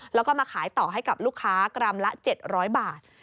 แล้วก็มาขายต่อให้กับลูกค้ากรัมละ๗๐๐บาท